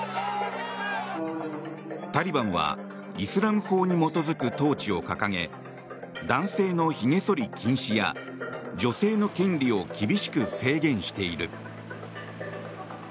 タリバンはイスラム法に基づく統治を掲げ男性のひげ剃り禁止や女性の権利を厳しく制限している。